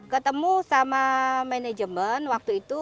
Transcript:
ketemu sama manajemen waktu itu